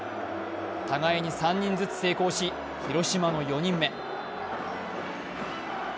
互いに３人ずつ成功し、広島の４人目。